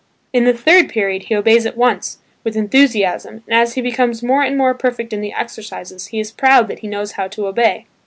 In the third period he obeys at once, with enthusiasm, and as he becomes more and more perfect in the exercises he is proud that he knows how to obey.